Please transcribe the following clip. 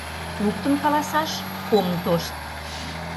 Луктын каласаш ом тошт.